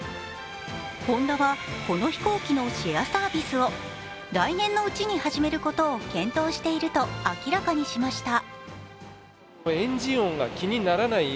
ホンダはこの飛行機のシェアサービスを来年のうちに始めることを検討していると明らかにしました。